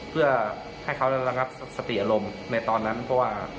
เพื่อให้เขาระงับสติอารมณ์ในตอนนั้นเพราะว่า